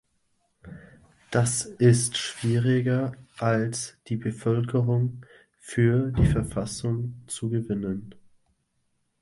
Das ist schwieriger, als die Bevölkerung für die Verfassung zu gewinnen.